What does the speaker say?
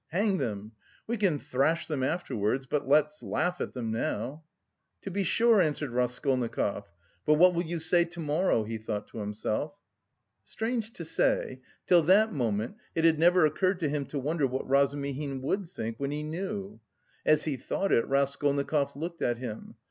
Hang them! We can thrash them afterwards, but let's laugh at them now!" "To be sure," answered Raskolnikov. "But what will you say to morrow?" he thought to himself. Strange to say, till that moment it had never occurred to him to wonder what Razumihin would think when he knew. As he thought it, Raskolnikov looked at him.